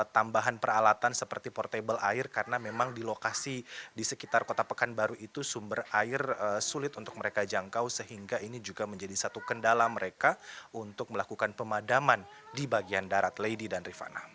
tambahan peralatan seperti portable air karena memang di lokasi di sekitar kota pekanbaru itu sumber air sulit untuk mereka jangkau sehingga ini juga menjadi satu kendala mereka untuk melakukan pemadaman di bagian darat lady dan rifana